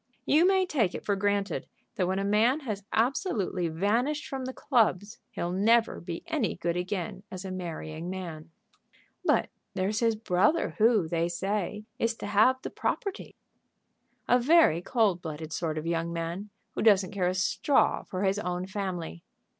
You may take it for granted, that when a man has absolutely vanished from the clubs, he'll never be any good again as a marrying man." "But there's his brother, who, they say, is to have the property." "A very cold blooded sort of young man, who doesn't care a straw for his own family."